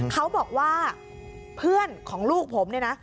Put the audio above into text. เขาบอกว่าเพื่อนของลูกผมเนี่ยนะ